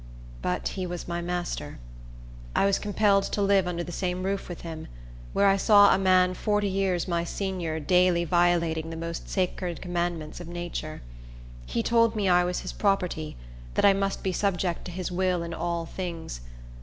But he was my master. I was compelled to live under the same roof with him—where I saw a man forty years my senior daily violating the most sacred commandments of nature. He told me I was his property; that I must be subject to his will in all things.